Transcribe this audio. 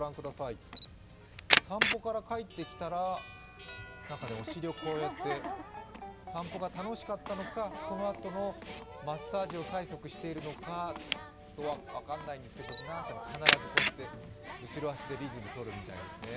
散歩から帰ってきたら、お尻を散歩が楽しかったのか、このあとのマッサージを催促しているのか分からないんですが必ずこうやって後ろ足でリズムとるみたいですね。